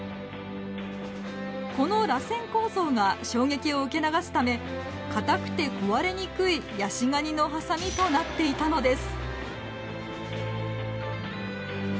このらせん構造が衝撃を受け流すため硬くて壊れにくいヤシガニのハサミとなっていたのです。